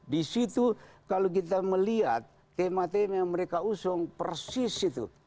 di situ kalau kita melihat tema tema yang mereka usung persis itu